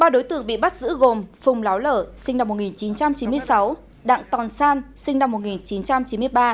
ba đối tượng bị bắt giữ gồm phùng láo lở sinh năm một nghìn chín trăm chín mươi sáu đặng tòn san sinh năm một nghìn chín trăm chín mươi ba